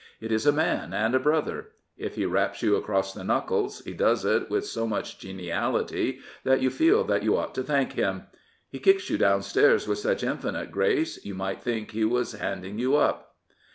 It is a man and a brother. If he raps you across the knuckles, he does it with so much geniality that you feel that you ought to thank him. He kicks you downstairs with such infinite grace, You might think he was handing you up.